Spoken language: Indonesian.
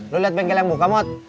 lu liat bengkel yang buka mot